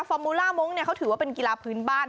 อร์มูล่ามงค์เขาถือว่าเป็นกีฬาพื้นบ้าน